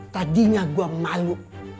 tadinya gue malu